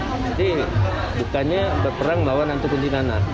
jadi bukannya berperang melawan hantu kuntilanak